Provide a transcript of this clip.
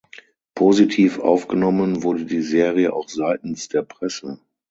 Positiv aufgenommen wurde die Serie auch seitens der Presse.